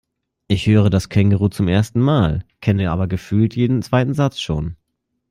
Ich höre das Känguruh zum ersten Mal, kenne aber gefühlt jeden zweiten Satz schon.